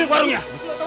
mereka memang bisa bisa